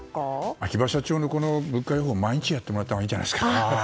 秋葉社長の物価予報毎日やってもらったほうがいいんじゃないですか。